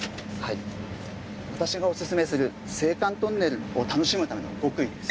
私がおすすめする青函トンネルを楽しむための極意です。